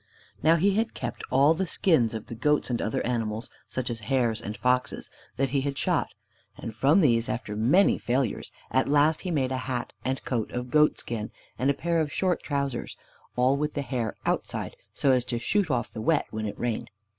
Now he had kept all the skins of the goats, and other animals, such as hares and foxes, that he had shot; and from these, after many failures, at last he made a hat and coat of goatskin, and a pair of short trousers, all with the hair outside, so as to shoot off the wet when it rained.